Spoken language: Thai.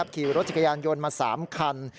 ขี่รถจักรยานยนต์มา๓คัน